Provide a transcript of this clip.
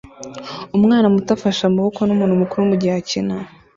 Umwana muto afashe amaboko numuntu mukuru mugihe akina